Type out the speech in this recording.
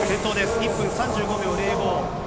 １分３５秒０５。